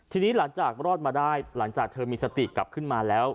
ทีนี้หลังจากรอดมาได้หลังจากเธอมีสติกลับขึ้นมาแล้ว